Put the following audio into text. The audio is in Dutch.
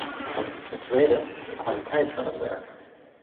Ten tweede: de kwaliteit van het werk.